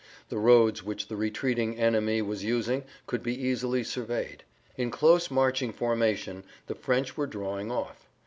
The roads which the retreating enemy was using could be easily surveyed. In close marching formation the French were drawing off.